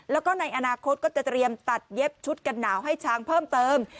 แล้วก็ในอนาคตก็จะเตรียมตัดเย็บชุดกันหนาวให้ช้างเพิ่มเติม